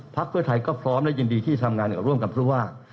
เพื่อไทยก็พร้อมและยินดีที่ทำงานร่วมกับผู้ว่า